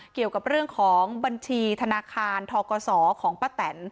เกี่ยวกับเรื่องของบัญชีธนาคารทกศของป้าแตน